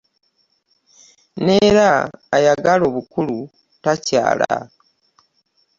N'era ayala obukulu takyala .